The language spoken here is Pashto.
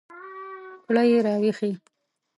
کړئ را ویښې